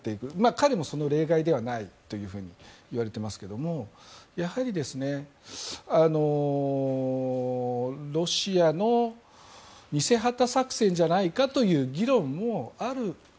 彼もその例外ではないといわれていますけどもやはりロシアの偽旗作戦じゃないかという議論もある。